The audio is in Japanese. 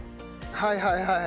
はいはいはい。